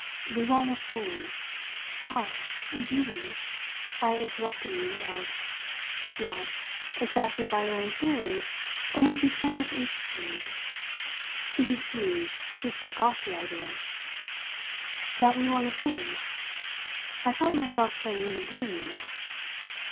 We want a fool " "Ah, do we?" I interruptingly wailed. "Why, exactly by your own theory, in which you've so much interested me! It was you who struck off the idea." "That we want a fool?" I felt myself turning gloomy enough.